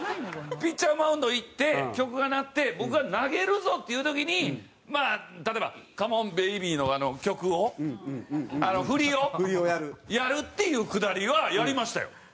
ピッチャーマウンド行って曲が鳴って僕が投げるぞという時に例えば『ＣＯＭＥＯＮＢＡＢＹ！』の曲を振りをやるっていうくだりはやりましたよ。